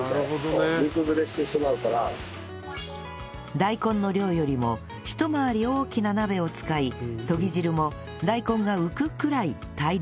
大根の量よりもひと回り大きな鍋を使いとぎ汁も大根が浮くくらい大量に入れる